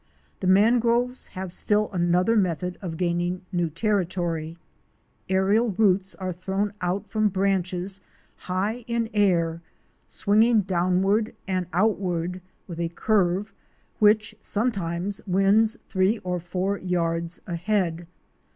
The mangroves have still another method of gaining new territory. Aérial roots are thrown out from branches high in air, swinging downward and outward with a curve which sometimes wins three or four yards ahead.